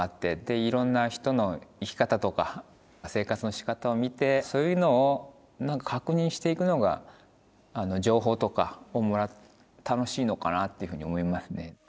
いろんな人の生き方とか生活のしかたを見てそういうのを何か確認していくのが情報とかをもらって楽しいのかなっていうふうに思いますね。